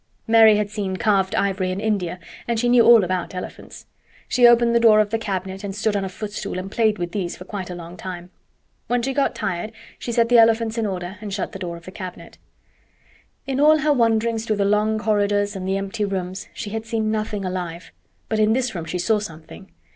Mary had seen carved ivory in India and she knew all about elephants. She opened the door of the cabinet and stood on a footstool and played with these for quite a long time. When she got tired she set the elephants in order and shut the door of the cabinet. In all her wanderings through the long corridors and the empty rooms, she had seen nothing alive; but in this room she saw something.